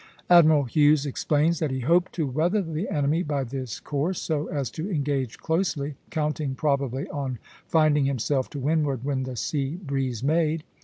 Admiral Hughes explains that he hoped to weather the enemy by this course so as to engage closely, counting probably on finding himself to windward when the sea breeze made.